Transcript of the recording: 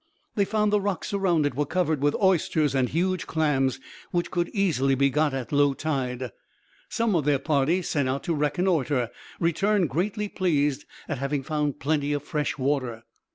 They found the rocks around it were covered with oysters and huge clams, which could easily be got at low tide. Some of their party sent out to reconnoitre returned greatly pleased at having found plenty of fresh water.